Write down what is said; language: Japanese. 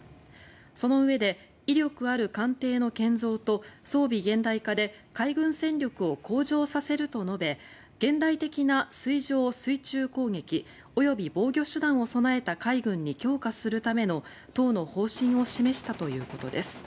そのうえで威力ある艦艇の建造と装備現代化で海軍戦力を向上させると述べ現代的な水上・水中攻撃及び防御手段を備えた海軍に強化するための党の方針を示したということです。